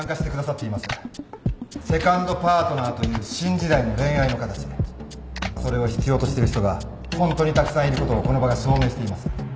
セカンドパートナーという新時代の恋愛の形それを必要としてる人がホントにたくさんいることをこの場が証明しています。